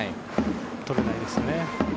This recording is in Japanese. とれないですね。